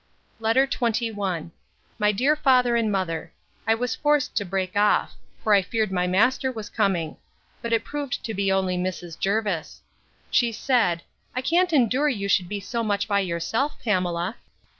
LETTER XXI MY DEAR FATHER AND MOTHER, I was forced to break off: for I feared my master was coming: but it proved to be only Mrs. Jervis. She said, I can't endure you should be so much by yourself, Pamela.